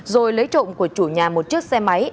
rồi lấy trộm của chủ nhà một chiếc xe máy